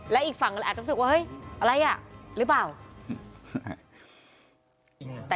แล้วอีกฝั่งอันอาจจะมีความรู้สึกว่าเฮ้ยอะไรอ่ะหรือเปล่า